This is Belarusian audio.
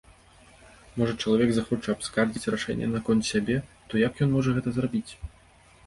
Можа, чалавек захоча абскардзіць рашэнне наконт сябе, то як ён можа гэта зрабіць?